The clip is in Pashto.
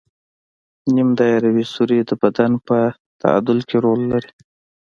نیم دایروي سوري د بدن په تعادل کې رول لري.